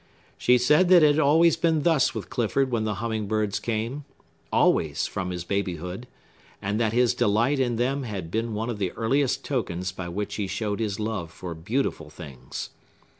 She said that it had always been thus with Clifford when the humming birds came,—always, from his babyhood,—and that his delight in them had been one of the earliest tokens by which he showed his love for beautiful things.